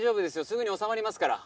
すぐに収まりますから。